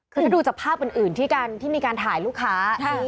คือถ้าดูจากภาพอื่นที่มีการถ่ายลูกค้า